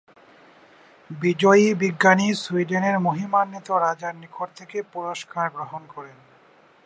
বিজয়ী বিজ্ঞানী সুইডেনের মহিমান্বিত রাজার নিকট থেকে পুরস্কার গ্রহণ করেন।